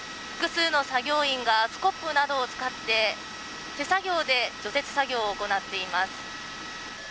複数の作業員がスコップなどを使って手作業で除雪作業を行っています